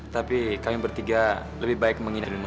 tapi kami bertiga lebih baik mengingatkanmu